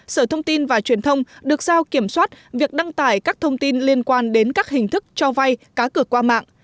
sở thông tin và truyền thông được giao kiểm soát việc đăng tải các thông tin liên quan đến các hình thức cho vay cá cửa qua mạng